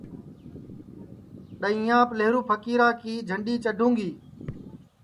ڈؔیہینٚیاپ لیہرو پھکیرا کی جھنڈؔی چڈوں گی